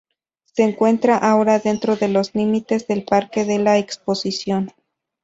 Se encuentra ahora dentro de los límites del Parque de la Exposición.